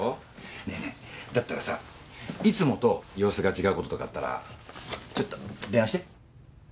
ねえねえだったらさいつもと様子が違うこととかあったらちょっと電話して。